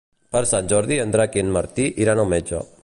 Per Sant Jordi en Drac i en Martí iran al metge.